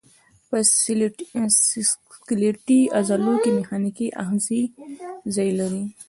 په سکلیټي عضلو کې میخانیکي آخذې ځای لري.